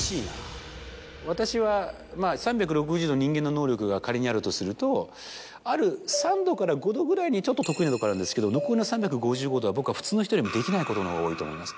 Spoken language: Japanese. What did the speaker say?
私は３６０度人間の能力が仮にあるとするとある３度から５度ぐらいに得意なところあるんですけど残りの３５５度は僕は普通の人よりもできないことのほうが多いと思います。